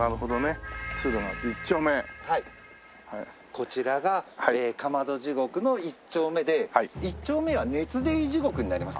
こちらがかまど地獄の一丁目で一丁目は熱泥地獄になります。